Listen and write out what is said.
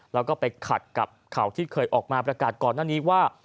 แล้วก็ไปขัดกับข่าวที่เคยออกมาประกาศก่อนหน้านี้ว่า